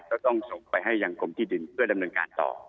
ก็ต้องส่งไปให้ยังกรมที่ดินเพื่อดำเนินการต่อ